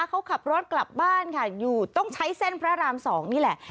เขาขับรถกลับบ้านค่ะอยู่ต้องใช้เส้นพระราม๒นี่แหละ